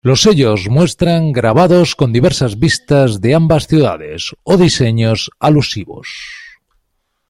Los sellos muestran grabados con diversas vistas de ambas ciudades o diseños alusivos.